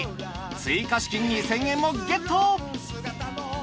追加資金２，０００円もゲット！